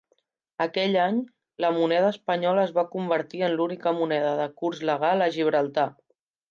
Aquell any, la moneda espanyola es va convertir en l'única moneda de curs legal a Gibraltar.